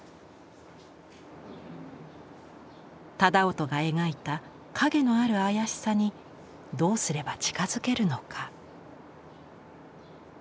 楠音が描いた影のある妖しさにどうすれば近づけるのか。